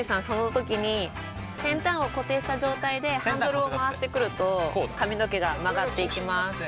その時に先端を固定した状態でハンドルを回してくると髪の毛が曲がっていきます。